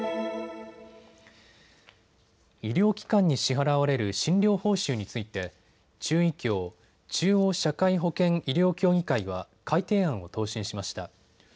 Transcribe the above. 医療機関に支払われる診療報酬について中医協・中央社会保険医療協議会は改定案を答申しました。